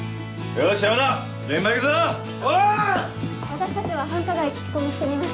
私たちは繁華街聞き込みしてみます。